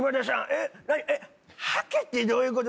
えっ？